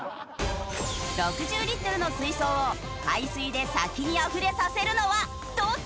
６０リットルの水槽を海水で先にあふれさせるのはどっちだ！？